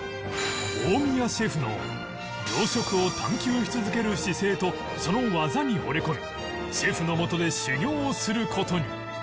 大宮シェフの洋食を探究し続ける姿勢とその技にほれ込みシェフのもとで修業をする事に